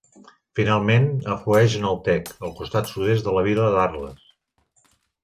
Finalment, aflueix en el Tec al costat sud-oest de la vila d'Arles.